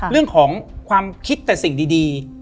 เรื่องของความคิดแต่สิ่งดี